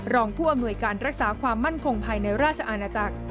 รองผู้อำนวยการรักษาความมั่นคงภายในราชอาณาจักร